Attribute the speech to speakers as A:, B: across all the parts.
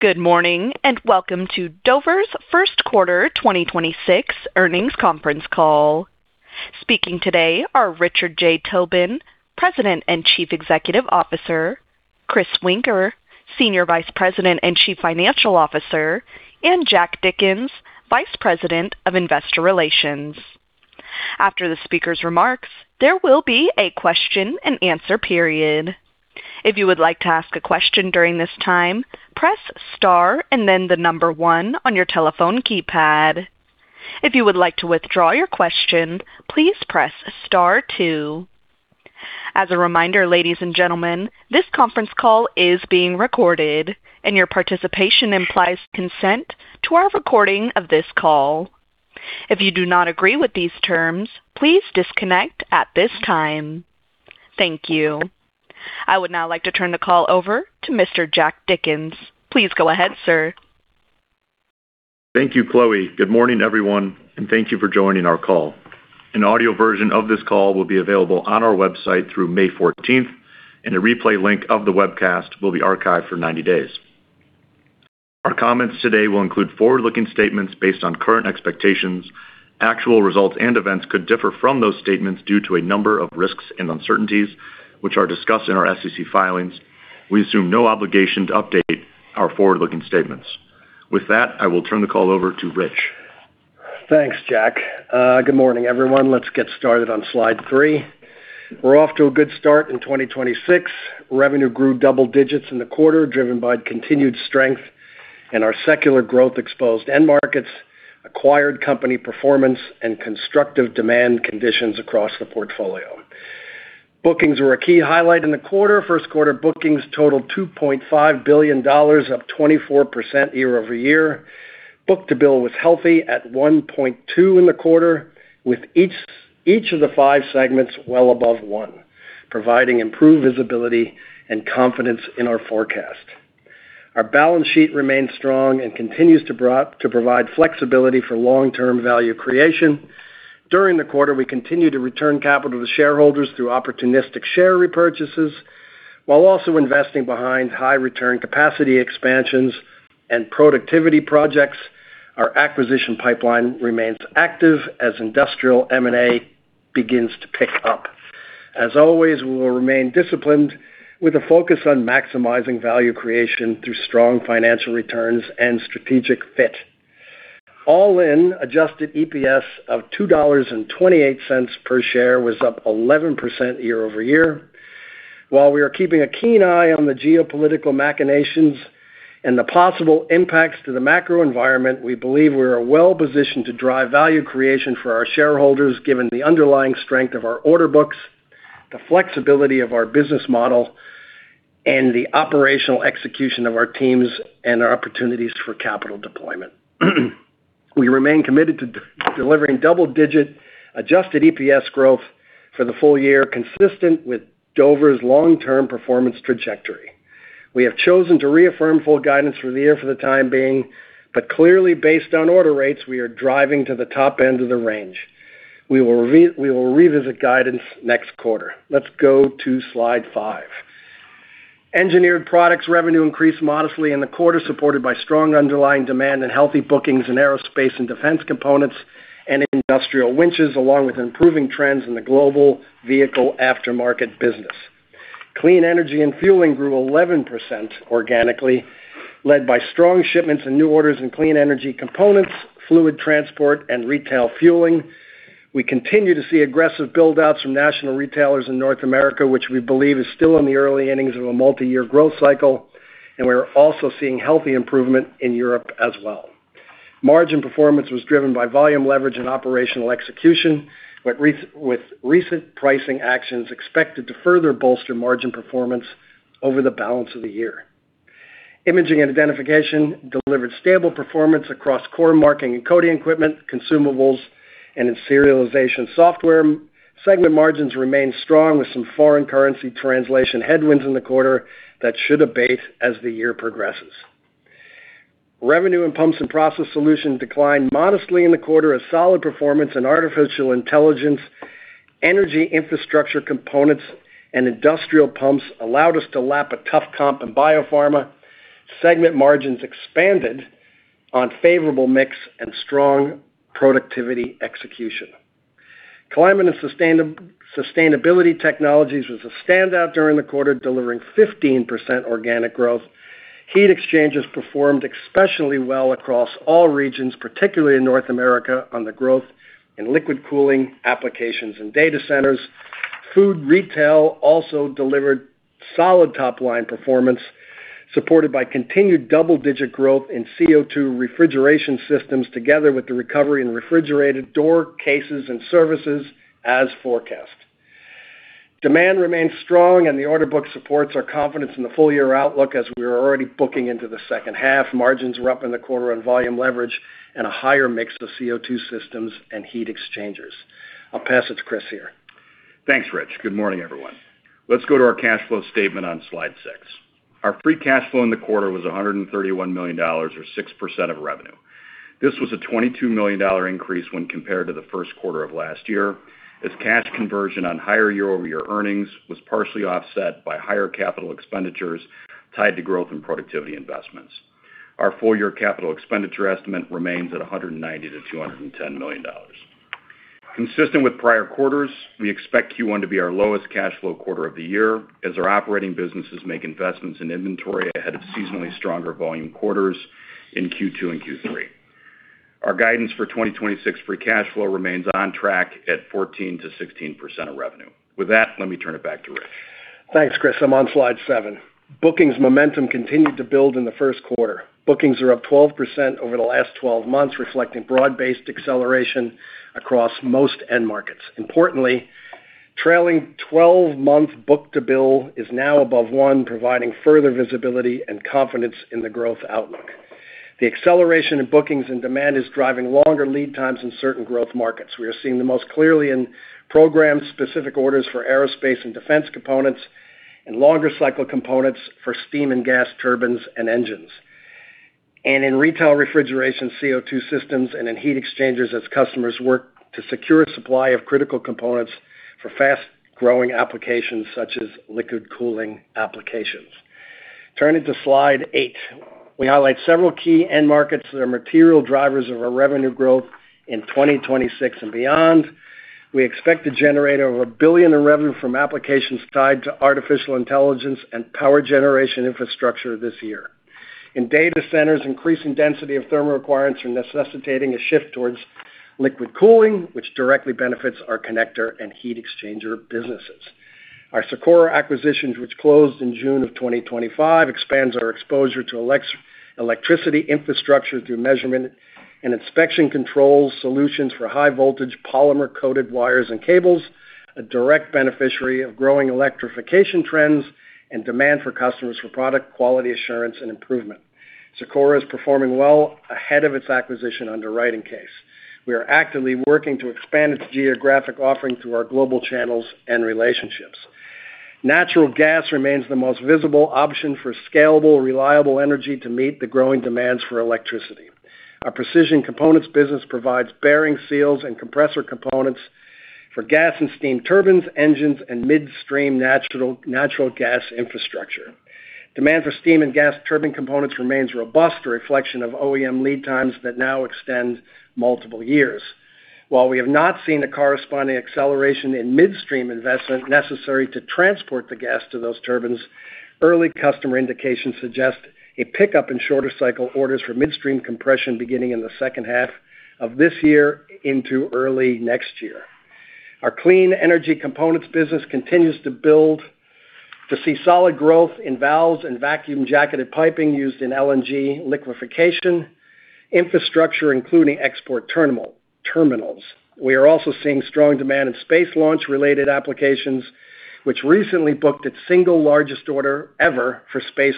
A: Good morning, and welcome to Dover's first quarter 2026 earnings conference call. Speaking today are Richard J. Tobin, President and Chief Executive Officer, Chris Woenker, Senior Vice President and Chief Financial Officer, and Jack Dickens, Vice President of Investor Relations. After the speakers' remarks, there will be a question and answer period. If you would like to ask a question during this time, press star and then the number one on your telephone keypad. If you would like to withdraw your question, please press star two. As a reminder, ladies and gentlemen, this conference call is being recorded, and your participation implies consent to our recording of this call. If you do not agree with these terms, please disconnect at this time. Thank you. I would now like to turn the call over to Mr. Jack Dickens. Please go ahead, sir.
B: Thank you, Chloe. Good morning, everyone, and thank you for joining our call. An audio version of this call will be available on our website through May 14th, and a replay link of the webcast will be archived for 90 days. Our comments today will include forward-looking statements based on current expectations. Actual results and events could differ from those statements due to a number of risks and uncertainties, which are discussed in our SEC filings. We assume no obligation to update our forward-looking statements. With that, I will turn the call over to Rich.
C: Thanks, Jack. Good morning, everyone. Let's get started on slide three. We're off to a good start in 2026. Revenue grew double digits in the quarter, driven by continued strength in our secular growth-exposed end markets, acquired company performance, and constructive demand conditions across the portfolio. Bookings were a key highlight in the quarter. First quarter bookings totaled $2.5 billion, up 24% year-over-year. Book-to-bill was healthy at 1.2 in the quarter, with each of the five segments well above one, providing improved visibility and confidence in our forecast. Our balance sheet remains strong and continues to provide flexibility for long-term value creation. During the quarter, we continued to return capital to shareholders through opportunistic share repurchases, while also investing behind high-return capacity expansions and productivity projects. Our acquisition pipeline remains active as industrial M&A begins to pick up. As always, we will remain disciplined with a focus on maximizing value creation through strong financial returns and strategic fit. All in, adjusted EPS of $2.28 per share was up 11% year-over-year. While we are keeping a keen eye on the geopolitical machinations and the possible impacts to the macro environment, we believe we are well-positioned to drive value creation for our shareholders, given the underlying strength of our order books, the flexibility of our business model, and the operational execution of our teams and our opportunities for capital deployment. We remain committed to delivering double-digit adjusted EPS growth for the full year, consistent with Dover's long-term performance trajectory. We have chosen to reaffirm full guidance for the year for the time being, but clearly, based on order rates, we are driving to the top end of the range. We will revisit guidance next quarter. Let's go to slide five. Engineered Products revenue increased modestly in the quarter, supported by strong underlying demand and healthy bookings in aerospace and defense components and industrial winches, along with improving trends in the global vehicle aftermarket business. Clean Energy & Fueling grew 11% organically, led by strong shipments and new orders in clean energy components, fluid transport, and retail fueling. We continue to see aggressive build-outs from national retailers in North America, which we believe is still in the early innings of a multiyear growth cycle, and we are also seeing healthy improvement in Europe as well. Margin performance was driven by volume leverage and operational execution, with recent pricing actions expected to further bolster margin performance over the balance of the year. Imaging & Identification delivered stable performance across core marking and coding equipment, consumables, and in serialization software. Segment margins remained strong with some foreign currency translation headwinds in the quarter that should abate as the year progresses. Revenue in Pumps & Process Solutions declined modestly in the quarter as solid performance in artificial intelligence, energy infrastructure components, and industrial pumps allowed us to lap a tough comp in biopharma. Segment margins expanded on favorable mix and strong productivity execution. Climate & Sustainability Technologies was a standout during the quarter, delivering 15% organic growth. Heat exchangers performed especially well across all regions, particularly in North America, on the growth in liquid cooling applications and data centers. Food Retail also delivered solid top-line performance, supported by continued double-digit growth in CO2 refrigeration systems, together with the recovery in refrigerated door cases and services as forecast. Demand remains strong and the order book supports our confidence in the full-year outlook as we are already booking into the second half. Margins were up in the quarter on volume leverage and a higher mix of CO2 systems and heat exchangers. I'll pass it to Chris here.
D: Thanks, Rich. Good morning, everyone. Let's go to our cash flow statement on slide six. Our free cash flow in the quarter was $131 million, or 6% of revenue. This was a $22 million increase when compared to the first quarter of last year, as cash conversion on higher year-over-year earnings was partially offset by higher capital expenditures tied to growth in productivity investments. Our full-year capital expenditure estimate remains at $190 million-$210 million. Consistent with prior quarters, we expect Q1 to be our lowest cash flow quarter of the year, as our operating businesses make investments in inventory ahead of seasonally stronger volume quarters in Q2 and Q3. Our guidance for 2026 free cash flow remains on track at 14%-16% of revenue. With that, let me turn it back to Rich.
C: Thanks, Chris. I'm on slide seven. Bookings momentum continued to build in the first quarter. Bookings are up 12% over the last 12 months, reflecting broad-based acceleration across most end markets. Importantly, trailing 12-month book-to-bill is now above one, providing further visibility and confidence in the growth outlook. The acceleration in bookings and demand is driving longer lead times in certain growth markets. We are seeing this most clearly in program-specific orders for aerospace and defense components and longer cycle components for steam and gas turbines and engines, in retail refrigeration CO2 systems and in heat exchangers as customers work to secure supply of critical components for fast-growing applications such as liquid cooling applications. Turning to slide eight. We highlight several key end markets that are material drivers of our revenue growth in 2026 and beyond. We expect to generate over $1 billion in revenue from applications tied to artificial intelligence and power generation infrastructure this year. In data centers, increasing density of thermal requirements are necessitating a shift towards liquid cooling, which directly benefits our connector and heat exchanger businesses. Our Sakura acquisitions, which closed in June of 2025, expands our exposure to electricity infrastructure through measurement and inspection control solutions for high voltage polymer coated wires and cables, a direct beneficiary of growing electrification trends and demand from customers for product quality assurance and improvement. Sakura is performing well ahead of its acquisition underwriting case. We are actively working to expand its geographic offering through our global channels and relationships. Natural gas remains the most visible option for scalable, reliable energy to meet the growing demands for electricity. Our Precision Components business provides bearing seals and compressor components for gas and steam turbines, engines, and midstream natural gas infrastructure. Demand for steam and gas turbine components remains robust, a reflection of OEM lead times that now extend multiple years. While we have not seen a corresponding acceleration in midstream investment necessary to transport the gas to those turbines, early customer indications suggest a pickup in shorter cycle orders for midstream compression beginning in the second half of this year into early next year. Our Clean Energy & Fueling business continues to see solid growth in valves and vacuum-jacketed piping used in LNG liquefaction infrastructure, including export terminals. We are also seeing strong demand in space launch related applications, which recently booked its single largest order ever for space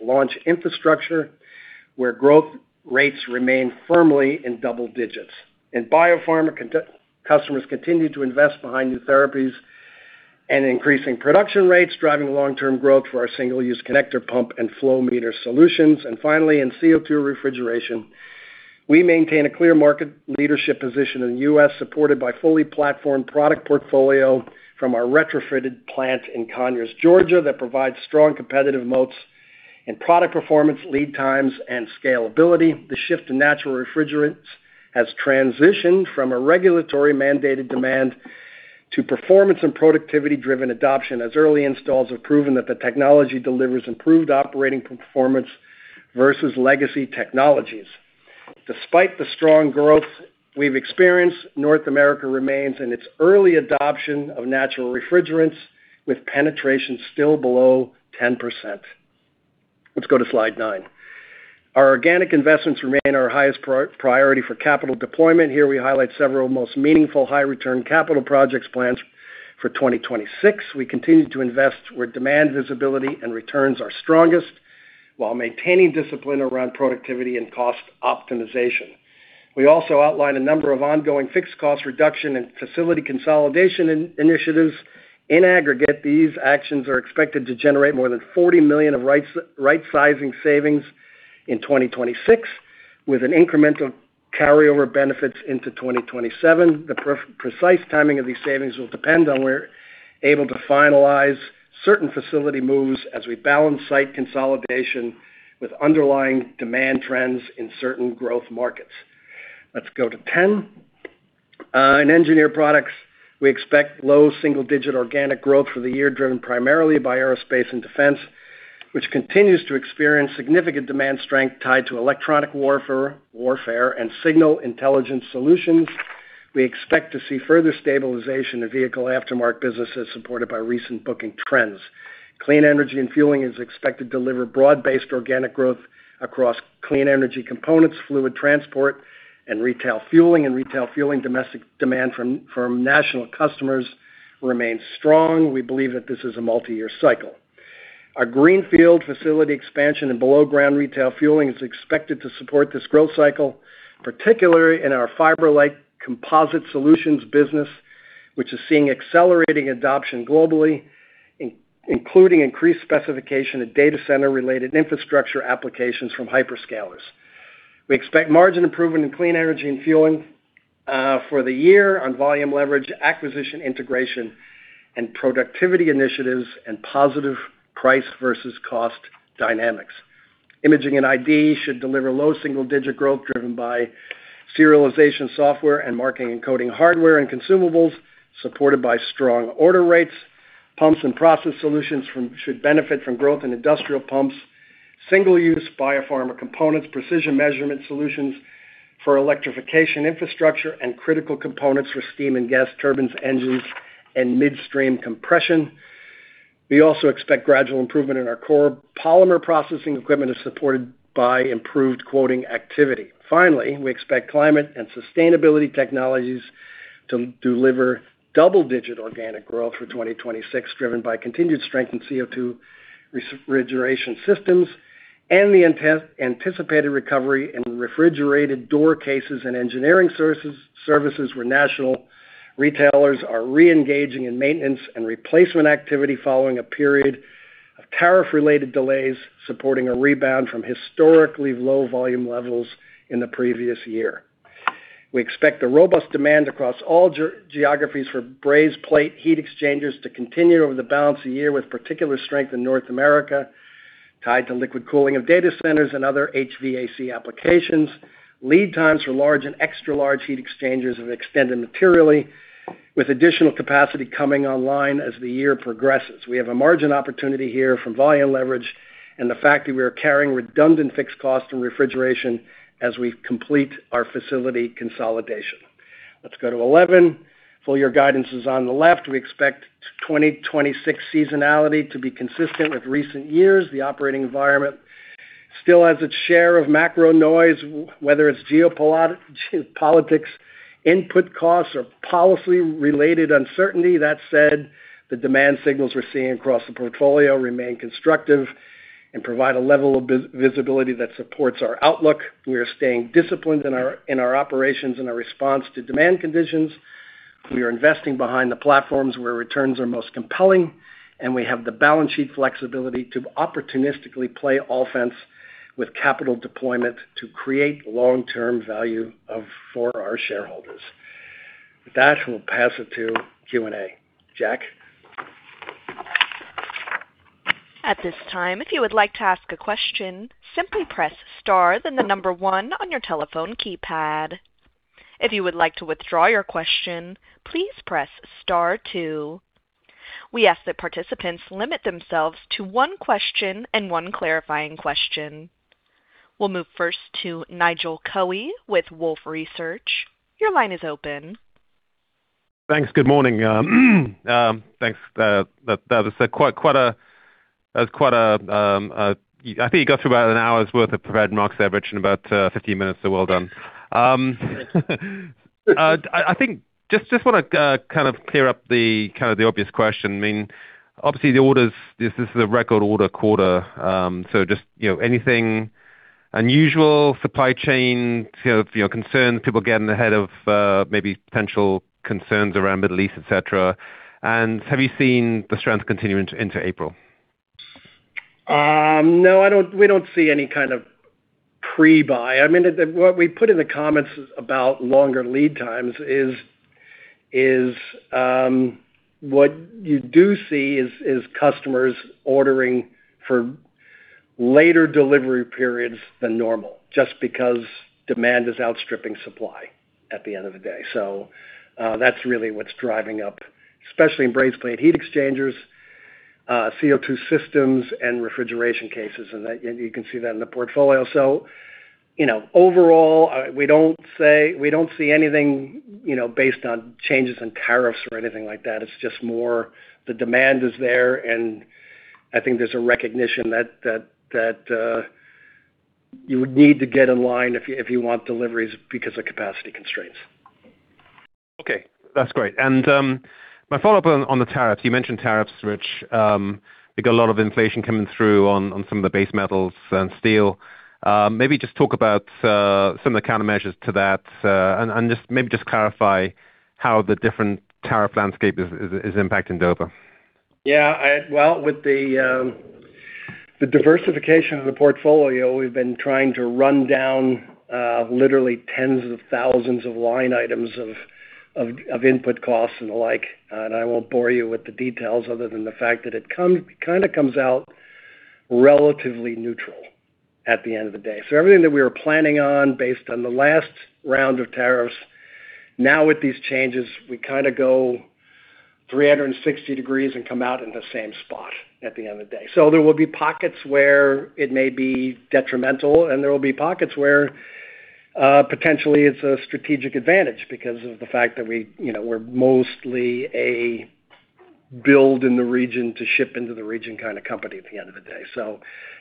C: launch infrastructure, where growth rates remain firmly in double digits. In biopharma, customers continue to invest behind new therapies and increasing production rates, driving long-term growth for our single-use connector pump and flow meter solutions. Finally, in CO2 refrigeration, we maintain a clear market leadership position in the U.S., supported by fully platformed product portfolio from our retrofitted plant in Conyers, Georgia, that provides strong competitive moats in product performance, lead times, and scalability. The shift to natural refrigerants has transitioned from a regulatory mandated demand to performance and productivity driven adoption, as early installs have proven that the technology delivers improved operating performance versus legacy technologies. Despite the strong growth we've experienced, North America remains in its early adoption of natural refrigerants, with penetration still below 10%. Let's go to slide nine. Our organic investments remain our highest priority for capital deployment. Here we highlight several most meaningful high return capital projects plans for 2026. We continue to invest where demand visibility and returns are strongest, while maintaining discipline around productivity and cost optimization. We also outlined a number of ongoing fixed cost reduction and facility consolidation initiatives. In aggregate, these actions are expected to generate more than $40 million of rightsizing savings in 2026, with an incremental carryover benefits into 2027. The precise timing of these savings will depend on how we're able to finalize certain facility moves as we balance site consolidation with underlying demand trends in certain growth markets. Let's go to 10. In Engineered Products, we expect low single-digit organic growth for the year, driven primarily by aerospace and defense, which continues to experience significant demand strength tied to electronic warfare and signal intelligence solutions. We expect to see further stabilization of vehicle aftermarket businesses supported by recent booking trends. Clean Energy & Fueling is expected to deliver broad-based organic growth across clean energy components, fluid transport and retail fueling. In retail fueling, domestic demand from national customers remains strong. We believe that this is a multi-year cycle. Our greenfield facility expansion and below-ground retail fueling is expected to support this growth cycle, particularly in our fiber-like composite solutions business, which is seeing accelerating adoption globally, including increased specification of data center-related infrastructure applications from hyperscalers. We expect margin improvement in Clean Energy & Fueling for the year on volume leverage, acquisition integration, and productivity initiatives and positive price versus cost dynamics. Imaging & ID should deliver low single-digit growth driven by serialization software and marking and coding hardware and consumables, supported by strong order rates. Pumps and Process Solutions should benefit from growth in industrial pumps, single use biopharma components, precision measurement solutions for electrification infrastructure, and critical components for steam and gas turbines, engines and midstream compression. We also expect gradual improvement in our core polymer processing equipment as supported by improved quoting activity. Finally, we expect Climate and Sustainability Technologies to deliver double-digit organic growth for 2026, driven by continued strength in CO2 refrigeration systems. The anticipated recovery in refrigerated door cases and engineering services where national retailers are reengaging in maintenance and replacement activity following a period of tariff related delays supporting a rebound from historically low volume levels in the previous year. We expect a robust demand across all geographies for brazed plate heat exchangers to continue over the balance of the year with particular strength in North America tied to liquid cooling of data centers and other HVAC applications. Lead times for large and extra large heat exchangers have extended materially with additional capacity coming online as the year progresses. We have a margin opportunity here from volume leverage and the fact that we are carrying redundant fixed costs from refrigeration as we complete our facility consolidation. Let's go to 11. Full year guidance is on the left. We expect 2026 seasonality to be consistent with recent years. The operating environment still has its share of macro noise, whether it's geopolitics, input costs, or policy related uncertainty. That said, the demand signals we're seeing across the portfolio remain constructive and provide a level of visibility that supports our outlook. We are staying disciplined in our operations and our response to demand conditions. We are investing behind the platforms where returns are most compelling, and we have the balance sheet flexibility to opportunistically play offense with capital deployment to create long-term value for our shareholders. With that, we'll pass it to Q&A. Jack?
A: At this time, if you would like to ask a question, simply press star then the number one on your telephone keypad. If you would like to withdraw your question, please press star two. We ask that participants limit themselves to one question and one clarifying question. We'll move first to Nigel Coe with Wolfe Research. Your line is open.
E: Thanks. Good morning. Thanks. That was quite a, I think you got through about an hour's worth of prepared remarks, Rich, in about 15 minutes, so well done. I think I just want to kind of clear up the obvious question. I mean, obviously this is a record order quarter, so just anything unusual, supply chain concerns, people getting ahead of maybe potential concerns around Middle East, etc, and have you seen the strength continue into April?
C: No, we don't see any kind of pre-buy. I mean, what we put in the comments about longer lead times is what you do see is customers ordering for later delivery periods than normal, just because demand is outstripping supply at the end of the day. That's really what's driving up, especially in brazed plate heat exchangers, CO2 systems, and refrigeration cases, and you can see that in the portfolio. Overall, we don't see anything based on changes in tariffs or anything like that. It's just more the demand is there, and I think there's a recognition that you would need to get in line if you want deliveries because of capacity constraints.
E: Okay, that's great. My follow-up on the tariffs, you mentioned tariffs, which we've got a lot of inflation coming through on some of the base metals and steel. Maybe just talk about some of the countermeasures to that, and maybe just clarify how the different tariff landscape is impacting Dover.
C: Yeah. Well, with the diversification of the portfolio, we've been trying to run down literally tens of thousands of line items of input costs and the like. I won't bore you with the details other than the fact that it kind of comes out relatively neutral at the end of the day. Everything that we were planning on based on the last round of tariffs, now with these changes, we kind of go 360 degrees and come out in the same spot at the end of the day. There will be pockets where it may be detrimental, and there will be pockets where potentially it's a strategic advantage because of the fact that we're mostly a build in the region to ship into the region kind of company at the end of the day.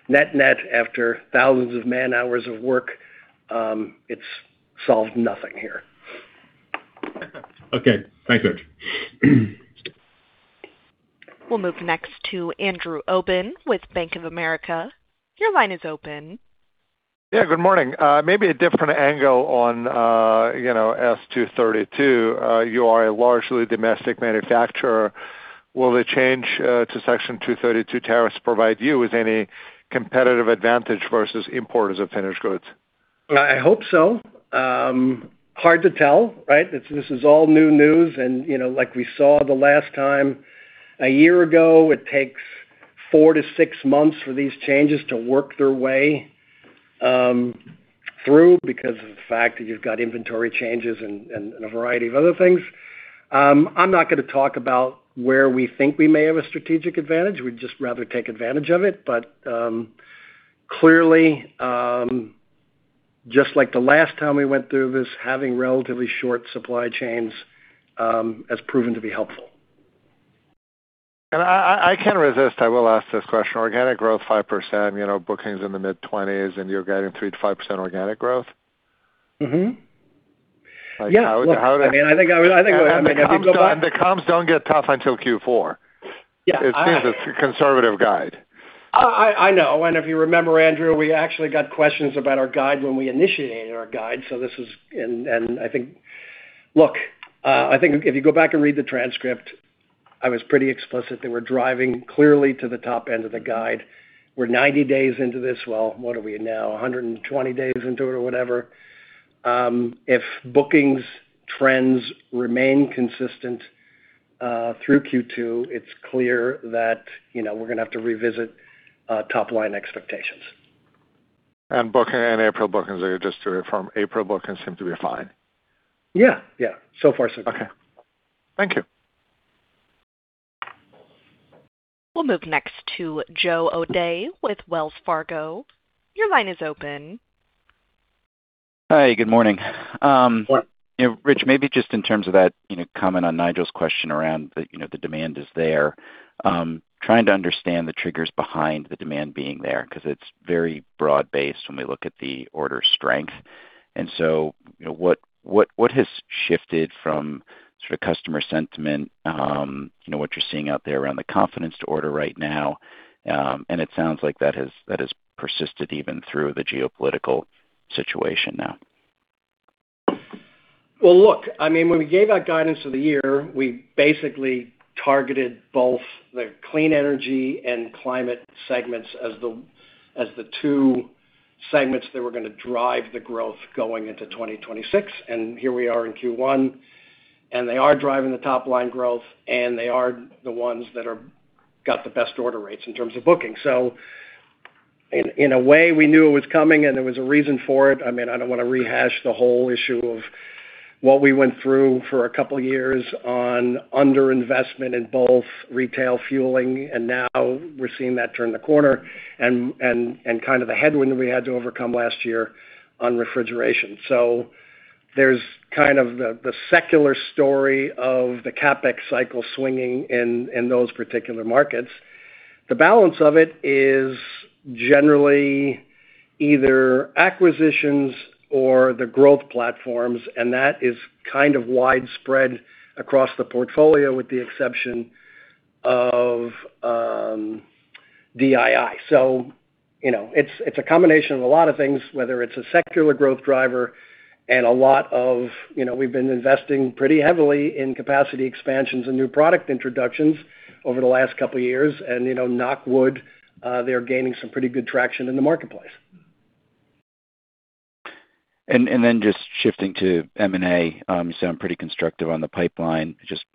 C: Net-net, after thousands of man hours of work, it's solved nothing here.
E: Okay, thanks, Rich.
A: We'll move next to Andrew Obin with Bank of America. Your line is open.
F: Yeah, good morning. Maybe a different angle on Section 232. You are a largely domestic manufacturer. Will the change to Section 232 tariffs provide you with any competitive advantage versus importers of finished goods?
C: I hope so. Hard to tell, right? This is all new news and, like we saw the last time a year ago, it takes 4-6 months for these changes to work their way through because of the fact that you've got inventory changes and a variety of other things. I'm not going to talk about where we think we may have a strategic advantage. We'd just rather take advantage of it. Clearly, just like the last time we went through this, having relatively short supply chains has proven to be helpful.
F: I can't resist. I will ask this question. Organic growth 5%, bookings in the mid-20s and you're guiding 3%-5% organic growth?
C: Yeah. Look, I think.
F: The comps don't get tough until Q4. Yeah. It seems it's a conservative guide. I know. If you remember, Andrew, we actually got questions about our guide when we initiated our guide, so this is. Look, I think if you go back and read the transcript, I was pretty explicit that we're driving clearly to the top end of the guide. We're 90 days into this. Well, what are we now? 120 days into it or whatever. If bookings trends remain consistent through Q2, it's clear that we're going to have to revisit top-line expectations. April bookings, just to confirm, April bookings seem to be fine.
C: Yeah. So far, so good.
F: Okay. Thank you.
A: We'll move next to Joe O'Dea with Wells Fargo. Your line is open.
G: Hi, good morning.
C: Good morning.
G: Rich, maybe just in terms of that comment on Nigel's question around the demand is there. Trying to understand the triggers behind the demand being there, because it's very broad-based when we look at the order strength. What has shifted from sort of customer sentiment, what you're seeing out there around the confidence to order right now, and it sounds like that has persisted even through the geopolitical situation now.
C: Well, look, when we gave out guidance of the year, we basically targeted both the Clean Energy and Climate segments as the two segments that were going to drive the growth going into 2026. Here we are in Q1, and they are driving the top-line growth, and they are the ones that got the best order rates in terms of booking. In a way, we knew it was coming and there was a reason for it. I don't want to rehash the whole issue of what we went through for a couple of years on under-investment in both retail fueling, and now we're seeing that turn the corner, and kind of the headwind we had to overcome last year on refrigeration. There's kind of the secular story of the CapEx cycle swinging in those particular markets. The balance of it is generally either acquisitions or the growth platforms, and that is kind of widespread across the portfolio, with the exception of DII. It's a combination of a lot of things, whether it's a secular growth driver and a lot of, we've been investing pretty heavily in capacity expansions and new product introductions over the last couple of years. Knock wood, they're gaining some pretty good traction in the marketplace.
G: Just shifting to M&A. You sound pretty constructive on the pipeline, just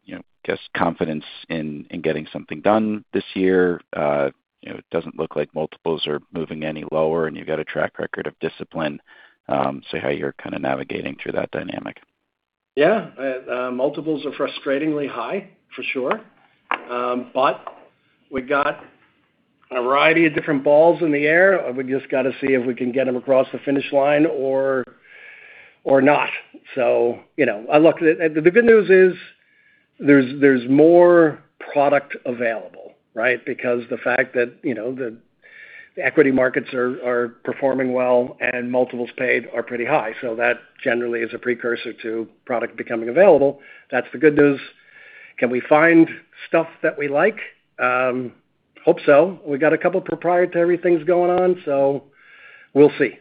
G: confidence in getting something done this year. It doesn't look like multiples are moving any lower, and you've got a track record of discipline. See how you're kind of navigating through that dynamic.
C: Yeah. Multiples are frustratingly high, for sure. We've got a variety of different balls in the air. We just got to see if we can get them across the finish line or not. Look, the good news is there's more product available, right? Because the fact that the equity markets are performing well and multiples paid are pretty high, so that generally is a precursor to product becoming available. That's the good news. Can we find stuff that we like? Hope so. We got a couple of proprietary things going on, so we'll see.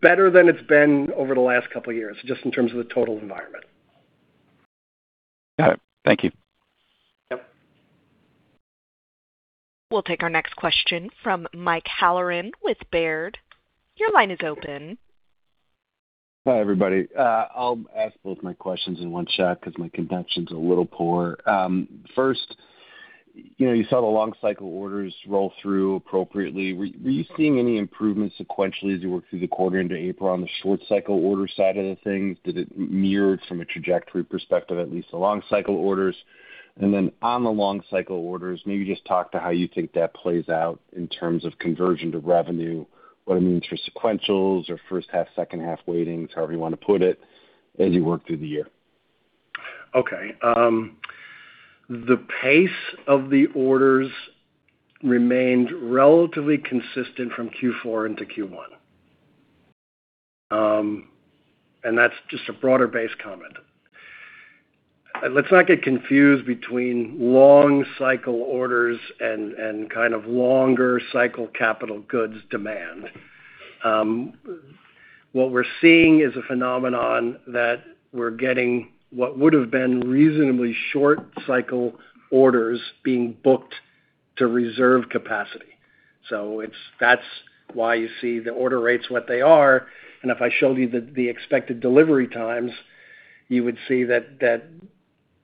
C: Better than it's been over the last couple of years, just in terms of the total environment.
G: Got it. Thank you.
C: Yep.
A: We'll take our next question from Mike Halloran with Baird. Your line is open.
H: Hi, everybody. I'll ask both my questions in one shot because my connection's a little poor. First, you saw the long cycle orders roll through appropriately. Were you seeing any improvements sequentially as you worked through the quarter into April on the short cycle order side of the things? Did it mirror from a trajectory perspective, at least the long cycle orders? On the long cycle orders, maybe just talk to how you think that plays out in terms of conversion to revenue. What it means for sequentials or first half, second half weighting, however you want to put it as you work through the year.
C: Okay. The pace of the orders remained relatively consistent from Q4 into Q1. That's just a broader base comment. Let's not get confused between long cycle orders and kind of longer cycle capital goods demand. What we're seeing is a phenomenon that we're getting what would have been reasonably short cycle orders being booked to reserve capacity. That's why you see the order rates what they are, and if I showed you the expected delivery times, you would see that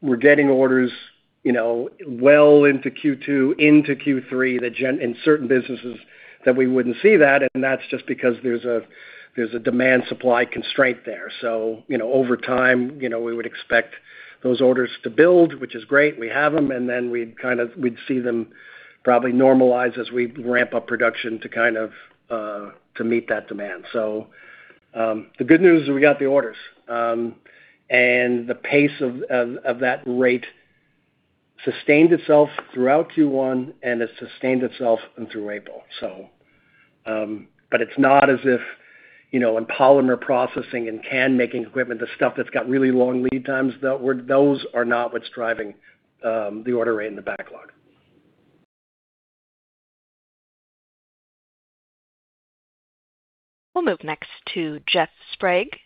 C: we're getting orders well into Q2, into Q3, in certain businesses that we wouldn't see that, and that's just because there's a demand-supply constraint there. Over time, we would expect those orders to build, which is great. We have them, and then we'd see them probably normalize as we ramp up production to meet that demand. The good news is we got the orders, and the pace of that rate sustained itself throughout Q1, and it sustained itself through April. It's not as if in polymer processing and can-making equipment, the stuff that's got really long lead times, those are not what's driving the order rate and the backlog.
A: We'll move next to Jeff Sprague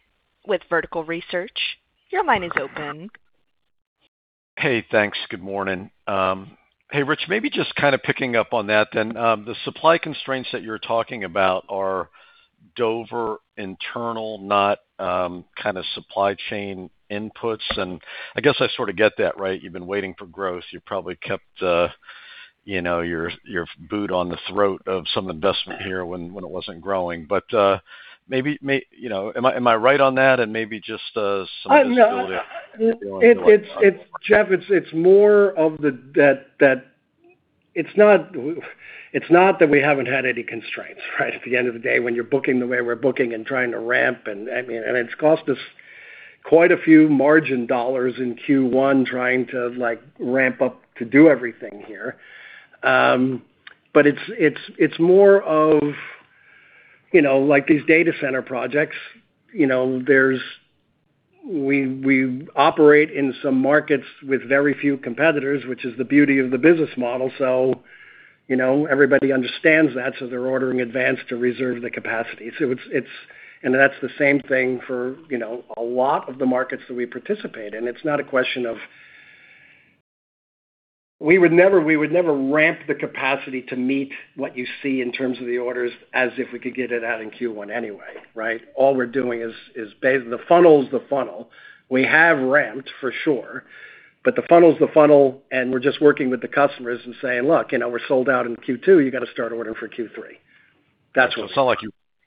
A: with Vertical Research. Your line is open.
I: Hey, thanks. Good morning. Hey, Rich, maybe just kind of picking up on that then. The supply constraints that you're talking about are Dover internal, not kind of supply chain inputs, and I guess I sort of get that, right? You've been waiting for growth. You probably kept your boot on the throat of some investment here when it wasn't growing. Am I right on that? Maybe just some visibility on the right time.
C: Jeff, it's not that we haven't had any constraints, right? At the end of the day, when you're booking the way we're booking and trying to ramp, and it's cost us quite a few margin dollars in Q1, trying to ramp up to do everything here. It's more of these data center projects. We operate in some markets with very few competitors, which is the beauty of the business model. Everybody understands that, so they're ordering in advance to reserve the capacity. That's the same thing for a lot of the markets that we participate in. We would never ramp the capacity to meet what you see in terms of the orders as if we could get it out in Q1 anyway, right? The funnel is the funnel. We have ramped for sure, but the funnel is the funnel, and we're just working with the customers and saying, "Look, we're sold out in Q2. You got to start ordering for Q3." That's what.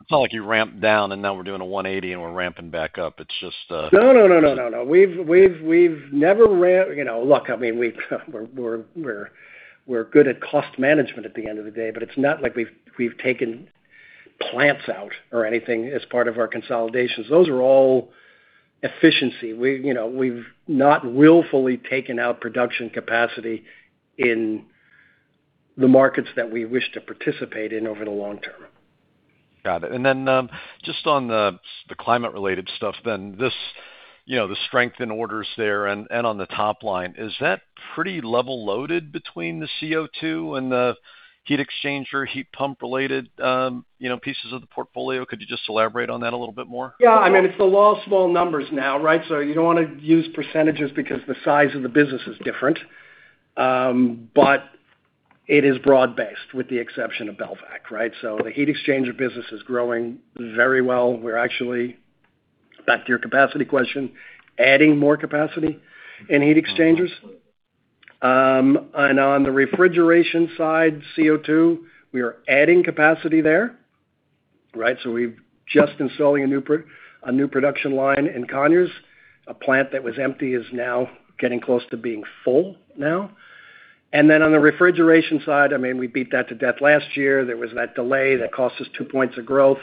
I: It's not like you ramped down, and now we're doing a 180, and we're ramping back up. It's just.
C: No. We've never look, we're good at cost management at the end of the day, but it's not like we've taken plants out or anything as part of our consolidations. Those are all efficiency. We've not willfully taken out production capacity in the markets that we wish to participate in over the long term.
I: Got it. Just on the climate-related stuff, then the strength in orders there and on the top line. Is that pretty level loaded between the CO2 and the heat exchanger, heat pump related pieces of the portfolio? Could you just elaborate on that a little bit more?
C: Yeah. It's the law of small numbers now, right? You don't want to use percentages because the size of the business is different. It is broad-based, with the exception of Belvac, right? The heat exchanger business is growing very well. We're actually, back to your capacity question, adding more capacity in heat exchangers. On the refrigeration side, CO2, we are adding capacity there, right? We're just installing a new production line in Conyers. A plant that was empty is now getting close to being full now. On the refrigeration side, we beat that to death last year. There was that delay that cost us 2 points of growth.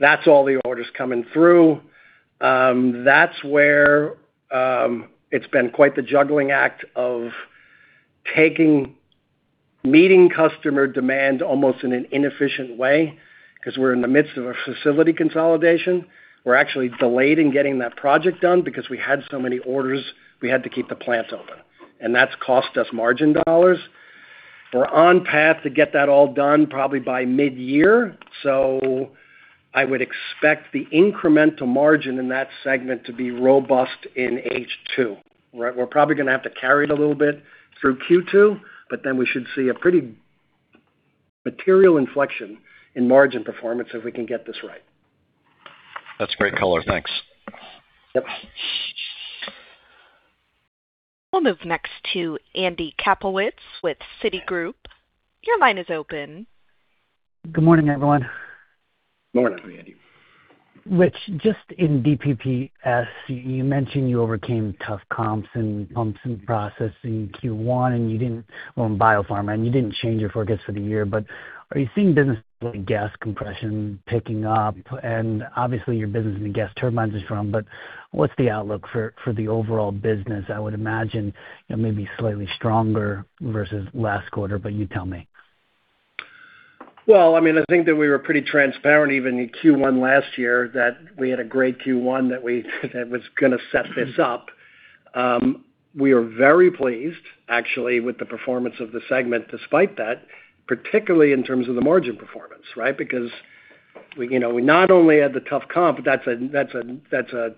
C: That's all the orders coming through. That's where it's been quite the juggling act of meeting customer demand almost in an inefficient way because we're in the midst of a facility consolidation. We're actually delayed in getting that project done because we had so many orders, we had to keep the plant open, and that's cost us margin dollars. We're on track to get that all done probably by mid-year. I would expect the incremental margin in that segment to be robust in H2. We're probably going to have to carry it a little bit through Q2, but then we should see a pretty material inflection in margin performance if we can get this right.
I: That's great color. Thanks.
C: Yep.
A: We'll move next to Andrew Kaplowitz with Citigroup. Your line is open.
J: Good morning, everyone.
C: Morning. Hi, Andy.
J: Rich, just in DPPS, you mentioned you overcame tough comps in pumps and processing Q1, and you didn't own biopharma, and you didn't change your forecast for the year. Are you seeing businesses like gas compression picking up? Obviously, your business in the gas turbines is strong, but what's the outlook for the overall business? I would imagine it may be slightly stronger versus last quarter, but you tell me.
C: Well, I think that we were pretty transparent, even in Q1 last year, that we had a great Q1 that was going to set this up. We are very pleased, actually, with the performance of the segment despite that, particularly in terms of the margin performance, right? Because we not only had the tough comp, but that's a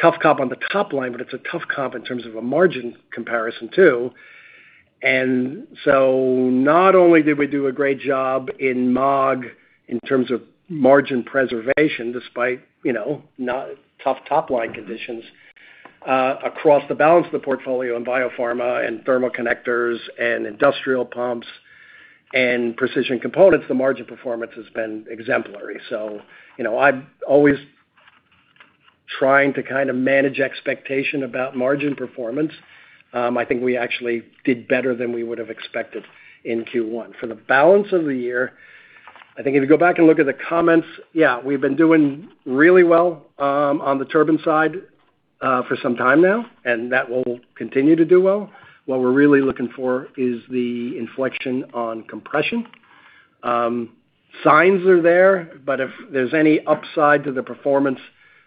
C: tough comp on the top line, but it's a tough comp in terms of a margin comparison, too. Not only did we do a great job in MAG in terms of margin preservation, despite tough top-line conditions. Across the balance of the portfolio in biopharma and thermal connectors and industrial pumps and precision components, the margin performance has been exemplary. I'm always trying to kind of manage expectation about margin performance. I think we actually did better than we would have expected in Q1. For the balance of the year. I think if you go back and look at the comments, yeah, we've been doing really well on the turbine side for some time now, and that will continue to do well. What we're really looking for is the inflection on compression. Signs are there, but if there's any upside to the performance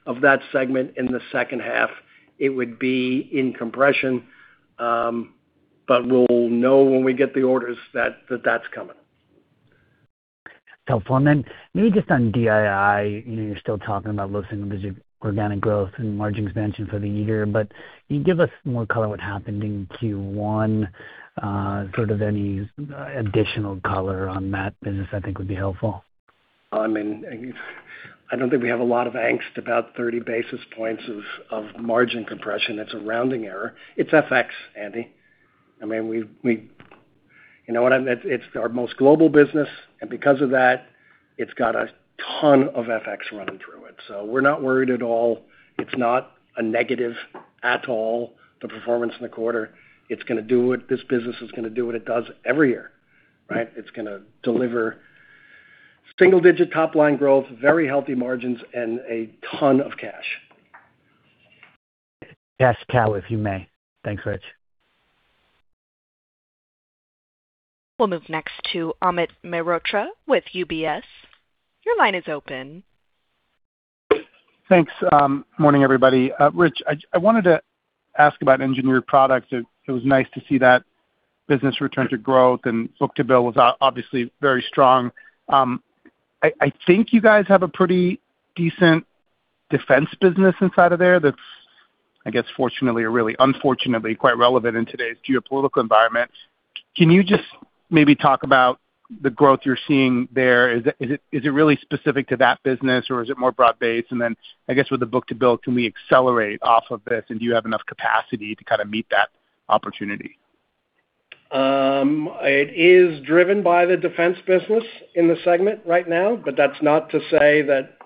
C: of that segment in the second half, it would be in compression. We'll know when we get the orders that that's coming.
J: Helpful. Maybe just on DII, you're still talking about low single-digit organic growth and margin expansion for the year, but can you give us more color on what happened in Q1? Sort of any additional color on that business, I think, would be helpful.
C: I don't think we have a lot of angst about 30 basis points of margin compression. It's a rounding error. It's FX, Andy. It's our most global business, and because of that, it's got a ton of FX running through it. We're not worried at all. It's not a negative at all, the performance in the quarter. This business is going to do what it does every year. Right? It's going to deliver single-digit top-line growth, very healthy margins, and a ton of cash.
J: Cash cow, if you may. Thanks, Rich.
A: We'll move next to Amit Mehrotra with UBS. Your line is open.
K: Thanks. Morning, everybody. Rich, I wanted to ask about Engineered Products. It was nice to see that business return to growth, and book-to-bill was obviously very strong. I think you guys have a pretty decent defense business inside of there that's, I guess, fortunately or really unfortunately, quite relevant in today's geopolitical environment. Can you just maybe talk about the growth you're seeing there? Is it really specific to that business, or is it more broad-based? With the book-to-bill, can we accelerate off of this? Do you have enough capacity to kind of meet that opportunity?
C: It is driven by the defense business in the segment right now, but that's not to say that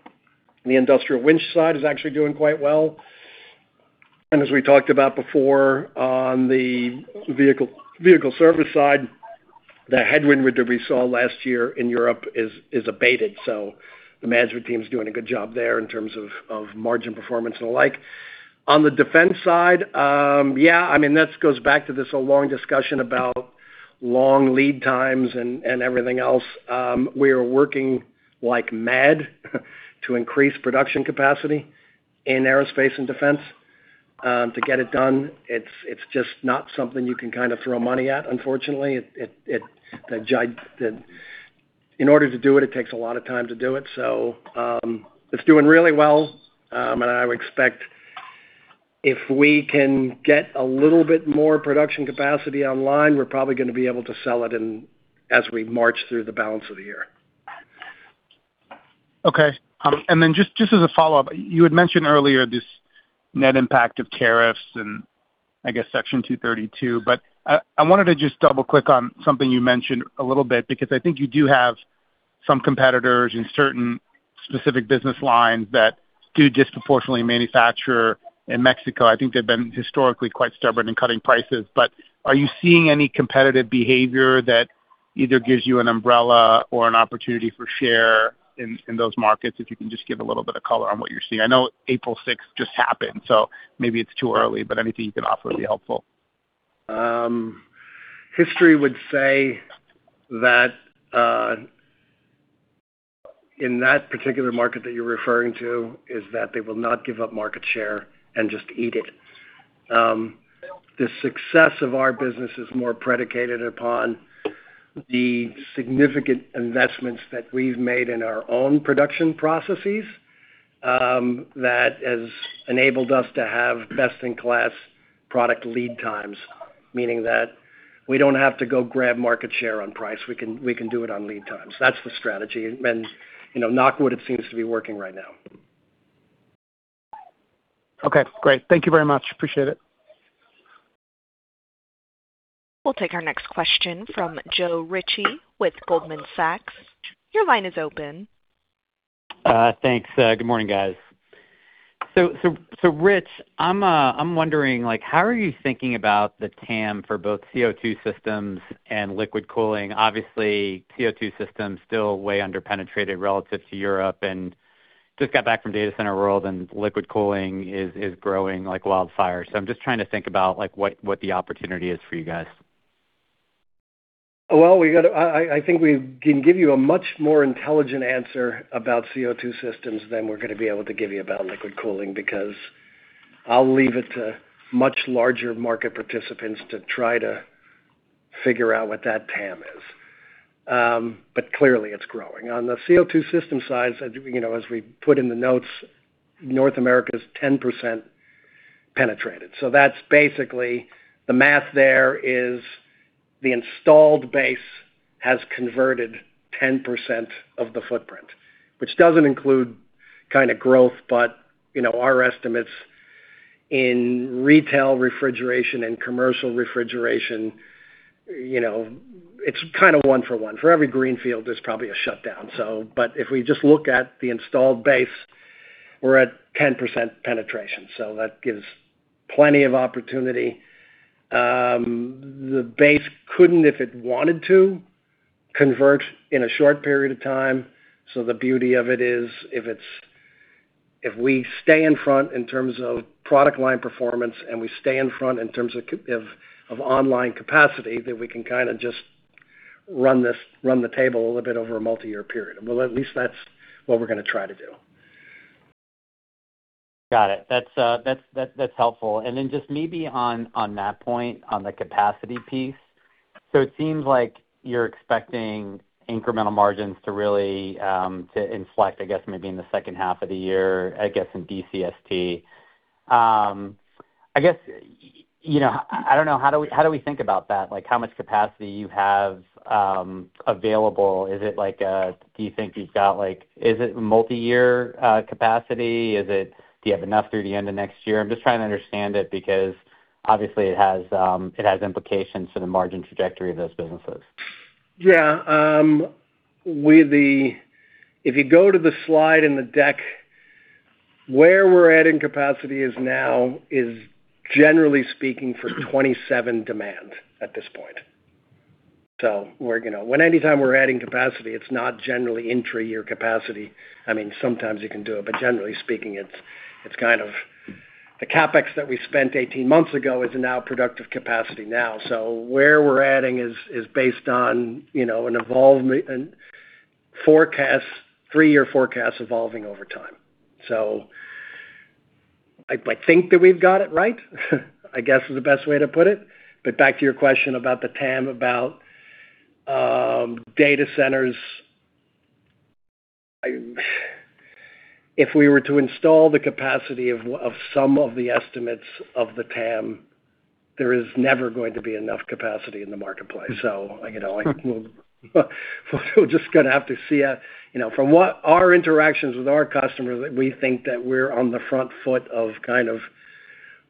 C: the industrial winch side is actually doing quite well. As we talked about before on the vehicle service side, the headwind that we saw last year in Europe is abated. The management team's doing a good job there in terms of margin performance and the like. On the defense side, yeah, that goes back to this long discussion about long lead times and everything else. We are working like mad to increase production capacity in aerospace and defense to get it done. It's just not something you can kind of throw money at, unfortunately. In order to do it takes a lot of time to do it. It's doing really well, and I would expect if we can get a little bit more production capacity online, we're probably going to be able to sell it as we march through the balance of the year.
K: Okay. Just as a follow-up, you had mentioned earlier this net impact of tariffs and I guess Section 232, but I wanted to just double-click on something you mentioned a little bit, because I think you do have some competitors in certain specific business lines that do disproportionately manufacture in Mexico. I think they've been historically quite stubborn in cutting prices. Are you seeing any competitive behavior that either gives you an umbrella or an opportunity for share in those markets? If you can just give a little bit of color on what you're seeing. I know April 6th just happened, so maybe it's too early, but anything you can offer would be helpful.
C: History would say that in that particular market that you're referring to, is that they will not give up market share and just eat it. The success of our business is more predicated upon the significant investments that we've made in our own production processes that has enabled us to have best-in-class product lead times, meaning that we don't have to go grab market share on price. We can do it on lead times. That's the strategy. Knock wood, it seems to be working right now.
K: Okay, great. Thank you very much. Appreciate it.
A: We'll take our next question from Joe Ritchie with Goldman Sachs. Your line is open.
L: Thanks. Good morning, guys. Rich, I'm wondering, how are you thinking about the TAM for both CO2 systems and liquid cooling? Obviously, CO2 systems still way under-penetrated relative to Europe, and just got back from Data Center World, and liquid cooling is growing like wildfire. I'm just trying to think about what the opportunity is for you guys.
C: Well, I think we can give you a much more intelligent answer about CO2 systems than we're going to be able to give you about liquid cooling, because I'll leave it to much larger market participants to try to figure out what that TAM is. Clearly it's growing. On the CO2 system side, as we put in the notes, North America is 10% penetrated. That's basically the math there is the installed base has converted 10% of the footprint, which doesn't include kind of growth, but our estimates in retail refrigeration and commercial refrigeration, it's kind of one for one. For every greenfield, there's probably a shutdown. If we just look at the installed base. We're at 10% penetration, so that gives plenty of opportunity. The base couldn't, if it wanted to, convert in a short period of time. The beauty of it is, if we stay in front in terms of product line performance and we stay in front in terms of online capacity, then we can kind of just run the table a little bit over a multi-year period. Well, at least that's what we're going to try to do.
L: Got it. That's helpful. Just maybe on that point, on the capacity piece. It seems like you're expecting incremental margins to really inflect, I guess, maybe in the second half of the year, I guess, in DCST. I don't know, how do we think about that? How much capacity do you have available? Do you think, is it multi-year capacity? Do you have enough through the end of next year? I'm just trying to understand it because obviously it has implications for the margin trajectory of those businesses.
C: Yeah. If you go to the slide in the deck, where we're adding capacity is now, is generally speaking for 2027 demand at this point. Anytime we're adding capacity, it's not generally intra-year capacity. Sometimes you can do it, but generally speaking, it's kind of the CapEx that we spent 18 months ago is now productive capacity now. Where we're adding is based on forecasts, three-year forecasts evolving over time. I think that we've got it right I guess is the best way to put it. Back to your question about the TAM, about data centers. If we were to install the capacity of some of the estimates of the TAM, there is never going to be enough capacity in the marketplace. We're just going to have to see. From what our interactions with our customers, we think that we're on the front foot of kind of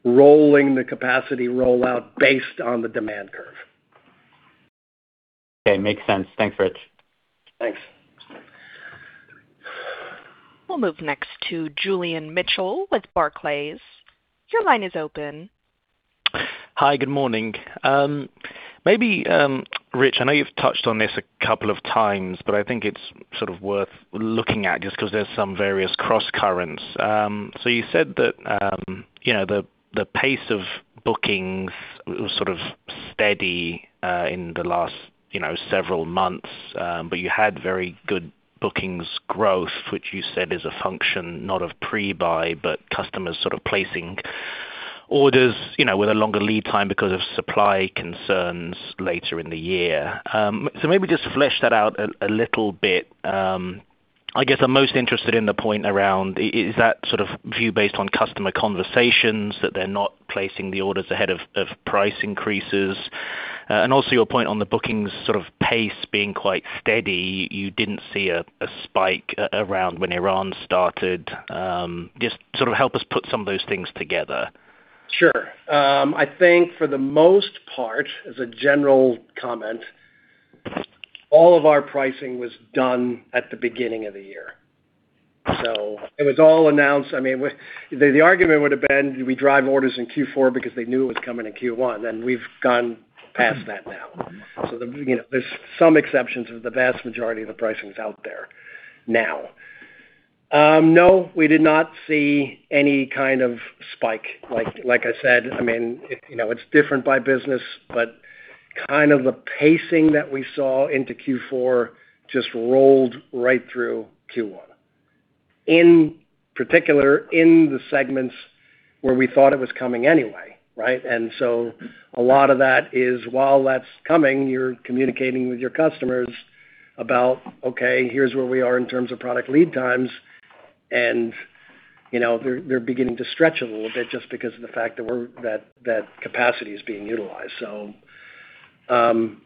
C: rolling the capacity rollout based on the demand curve.
L: Okay. Makes sense. Thanks, Rich.
C: Thanks.
A: We'll move next to Julian Mitchell with Barclays. Your line is open.
M: Hi, good morning. Maybe, Rich, I know you've touched on this a couple of times, but I think it's sort of worth looking at just because there's some various crosscurrents. You said that the pace of bookings was sort of steady in the last several months. You had very good bookings growth, which you said is a function not of pre-buy, but customers sort of placing orders with a longer lead time because of supply concerns later in the year. Maybe just flesh that out a little bit. I guess I'm most interested in the point around, is that sort of view based on customer conversations that they're not placing the orders ahead of price increases? Also your point on the bookings sort of pace being quite steady. You didn't see a spike around when Iran started. Just sort of help us put some of those things together.
C: Sure. I think for the most part, as a general comment, all of our pricing was done at the beginning of the year. It was all announced. The argument would have been, do we drive orders in Q4 because they knew it was coming in Q1, and we've gone past that now. There's some exceptions, but the vast majority of the pricing's out there now. No, we did not see any kind of spike. Like I said, it's different by business, but kind of the pacing that we saw into Q4 just rolled right through Q1. In particular, in the segments where we thought it was coming anyway. Right? A lot of that is while that's coming, you're communicating with your customers about, okay, here's where we are in terms of product lead times, and they're beginning to stretch a little bit just because of the fact that capacity is being utilized. It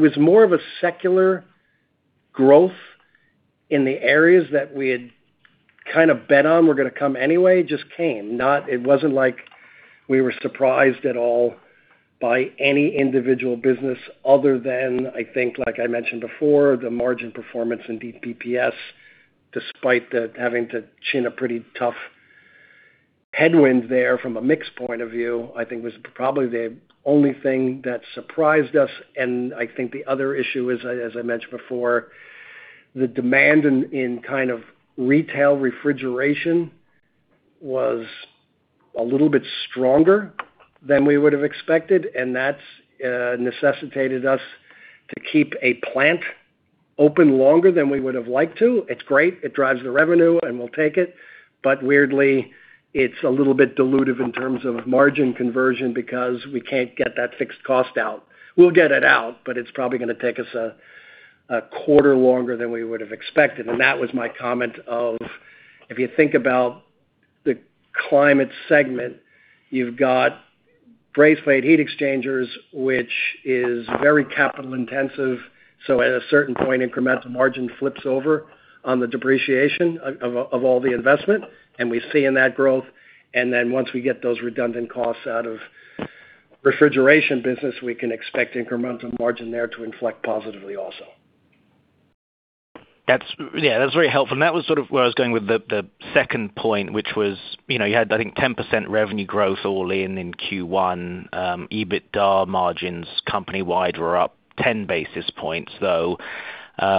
C: was more of a secular growth in the areas that we had kind of bet on were going to come anyway, just came. It wasn't like we were surprised at all by any individual business other than, I think like I mentioned before, the margin performance in DPPS, despite that having to face a pretty tough headwind there from a mix point of view, I think was probably the only thing that surprised us. I think the other issue is, as I mentioned before, the demand in kind of retail refrigeration was a little bit stronger than we would have expected, and that's necessitated us to keep a plant open longer than we would have liked to. It's great. It drives the revenue and we'll take it. But weirdly, it's a little bit dilutive in terms of margin conversion because we can't get that fixed cost out. We'll get it out, but it's probably going to take us a quarter longer than we would have expected. That was my comment of, if you think about the climate segment, you've got brazed plate heat exchangers, which is very capital intensive, so at a certain point, incremental margin flips over on the depreciation of all the investment, and we see in that growth. Once we get those redundant costs out of refrigeration business, we can expect incremental margin there to inflect positively also.
M: Yeah, that's very helpful. That was sort of where I was going with the second point, which was, you had, I think, 10% revenue growth all in Q1. EBITDA margins company-wide were up 10 basis points, though.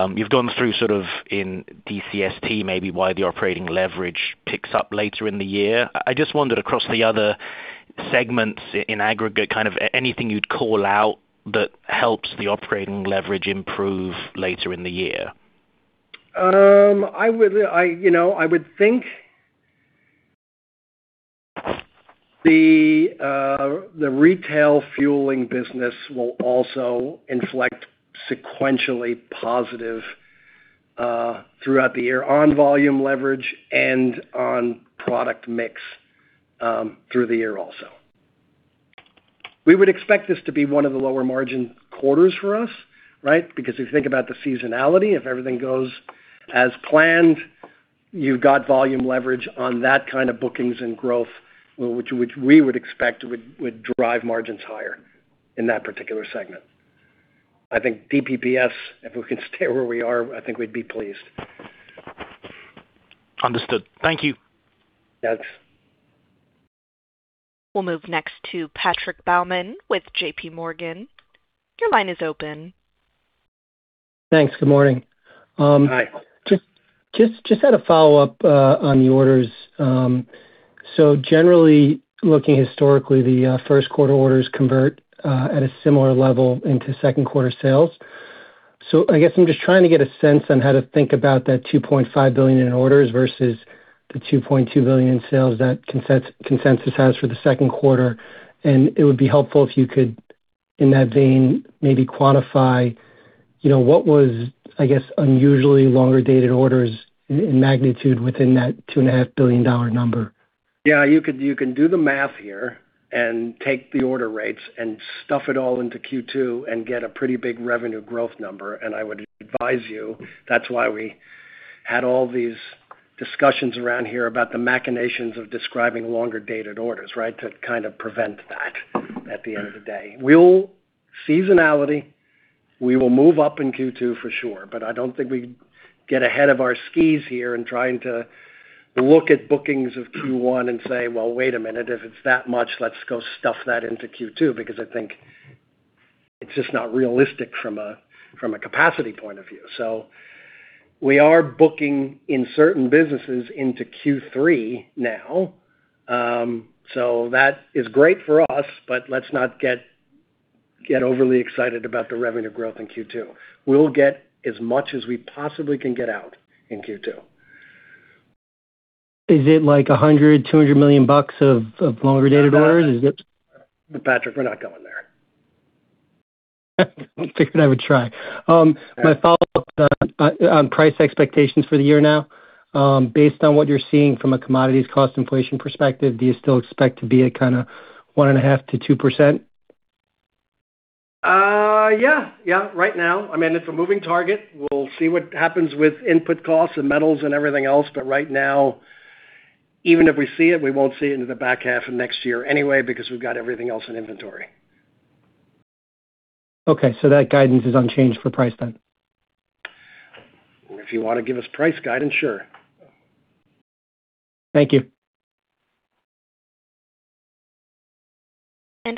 M: You've gone through sort of in DCST, maybe why the operating leverage picks up later in the year. I just wondered, across the other segments in aggregate, kind of anything you'd call out that helps the operating leverage improve later in the year?
C: I would think the retail fueling business will also inflect sequentially positive throughout the year on volume leverage and on product mix through the year also. We would expect this to be one of the lower margin quarters for us, right? Because if you think about the seasonality, if everything goes as planned, you've got volume leverage on that kind of bookings and growth, which we would expect would drive margins higher in that particular segment. I think DPPS, if we can stay where we are, I think we'd be pleased.
M: Understood. Thank you.
C: Thanks.
A: We'll move next to Patrick Baumann with JPMorgan. Your line is open.
N: Thanks. Good morning.
C: Hi.
N: Just had a follow-up on the orders. Generally, looking historically, the first quarter orders convert at a similar level into second quarter sales. I guess I'm just trying to get a sense on how to think about that $2.5 billion in orders versus the $2.2 billion in sales that consensus has for the second quarter. It would be helpful if you could, in that vein, maybe quantify what was, I guess, unusually longer dated orders in magnitude within that $2.5 billion number.
C: Yeah, you can do the math here and take the order rates and stuff it all into Q2 and get a pretty big revenue growth number. I would advise you, that's why we had all these discussions around here about the machinations of describing longer dated orders, right? To kind of prevent that at the end of the day. Seasonality, we will move up in Q2 for sure, but I don't think we get ahead of our skis here in trying to look at bookings of Q1 and say, "Well, wait a minute. If it's that much, let's go stuff that into Q2," because I think it's just not realistic from a capacity point of view. We are booking in certain businesses into Q3 now. That is great for us, but let's not get overly excited about the revenue growth in Q2. We'll get as much as we possibly can get out in Q2.
N: Is it like $100 million to $200 million of longer dated orders?
C: Patrick, we're not going there.
N: Figured I would try. My follow-up on price expectations for the year now. Based on what you're seeing from a commodities cost inflation perspective, do you still expect to be at kind of 1.5%-2%?
C: Yeah. Right now. It's a moving target. We'll see what happens with input costs and metals and everything else, but right now, even if we see it, we won't see it into the back half of next year anyway, because we've got everything else in inventory.
N: Okay, that guidance is unchanged for price then?
C: If you want to give us price guidance, sure.
N: Thank you.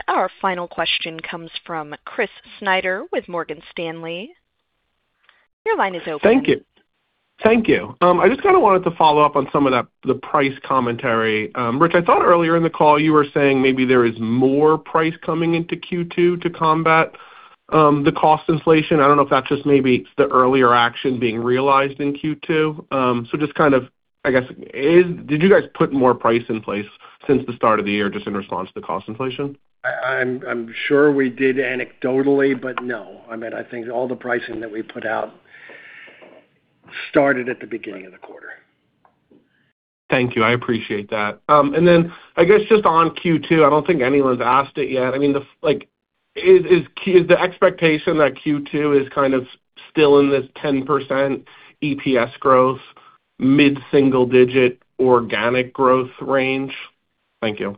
A: Our final question comes from Chris Snyder with Morgan Stanley. Your line is open.
O: Thank you. I just kind of wanted to follow up on some of the price commentary. Rich, I thought earlier in the call you were saying maybe there is more price coming into Q2 to combat the cost inflation. I don't know if that's just maybe the earlier action being realized in Q2. Just kind of, I guess, did you guys put more price in place since the start of the year just in response to the cost inflation?
C: I'm sure we did anecdotally, but no. I think all the pricing that we put out started at the beginning of the quarter.
O: Thank you. I appreciate that. I guess just on Q2, I don't think anyone's asked it yet. Is the expectation that Q2 is kind of still in this 10% EPS growth, mid-single digit organic growth range? Thank you.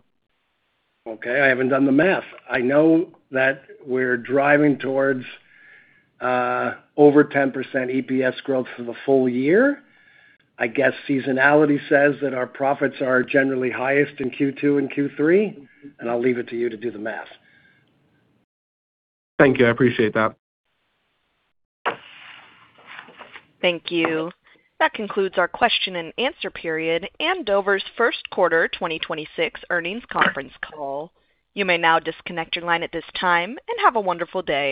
C: Okay. I haven't done the math. I know that we're driving towards over 10% EPS growth for the full year. I guess seasonality says that our profits are generally highest in Q2 and Q3, and I'll leave it to you to do the math.
O: Thank you. I appreciate that.
A: Thank you. That concludes our question and answer period and Dover's first quarter 2026 earnings conference call. You may now disconnect your line at this time, and have a wonderful day.